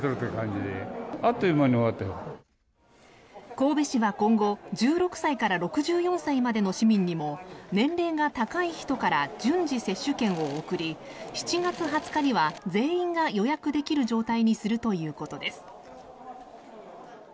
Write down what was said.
神戸市は今後１６歳から６４歳までの市民にも年齢が高い人から順次、接種券を送り７月２０日には全員が予約できる状態にするということです。